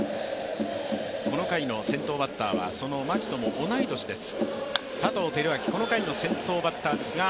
この回の先頭バッターはその牧とも同い年です。